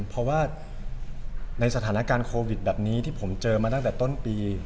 เพราะว่าในสถานการณ์โควิดแบบนี้ที่ผมเจอมาตั้งแต่ต้นปี